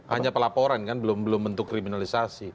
hanya pelaporan kan belum bentuk kriminalisasi